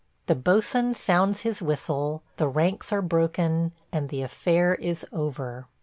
The boatswain sounds his whistle, the ranks are broken, and the affair is over.